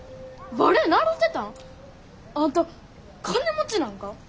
バレエ習うてたん！？あんた金持ちなんか？